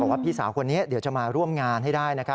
พี่สาวคนนี้เดี๋ยวจะมาร่วมงานให้ได้